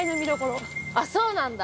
あっそうなんだ。